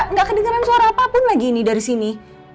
nggak kedengeran suara apapun lagi ini dari sini